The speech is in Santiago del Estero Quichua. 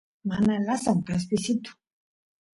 mana lasan kaspisitu